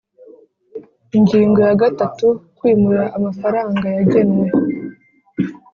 Ingingo ya gatatu Kwimura amafaranga yagenwe